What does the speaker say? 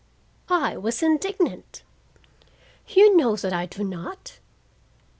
I was indignant. "You know that I do not.